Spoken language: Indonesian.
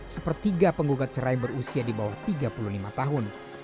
sepertiga penggugat cerai berusia di bawah tiga puluh lima tahun